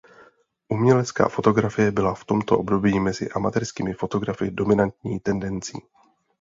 Umělecká fotografie byla v tomto období mezi amatérskými fotografy dominantní tendencí.